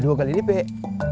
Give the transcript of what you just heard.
dua kali lipek